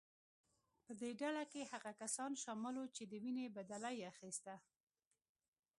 په دې ډله کې هغه کسان شامل وو چې د وینې بدله یې اخیسته.